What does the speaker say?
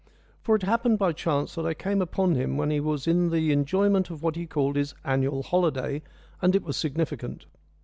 For it happened by chance that I came upon him when he was in the enjoyment of what he called his annual holiday, and it was significant.